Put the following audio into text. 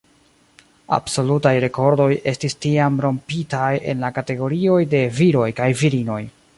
Absolutaj rekordoj estis tiam rompitaj en la kategorioj de viroj kaj virinoj.